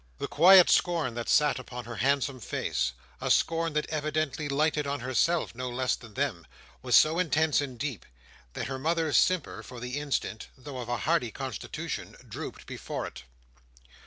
The quiet scorn that sat upon her handsome face—a scorn that evidently lighted on herself, no less than them—was so intense and deep, that her mother's simper, for the instant, though of a hardy constitution, drooped before it.